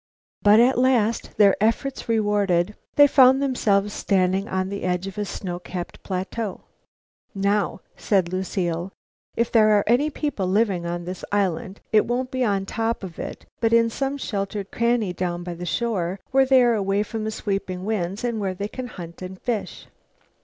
But at last, their efforts rewarded, they found themselves standing on the edge of a snow capped plateau. "Now," said Lucile, "if there are any people living on the island, it won't be on top of it, but in some sheltered cranny down by the shore where they are away from the sweeping winds and where they can hunt and fish."